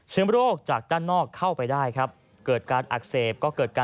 เชื้อโรคจากด้านนอกเข้าไปได้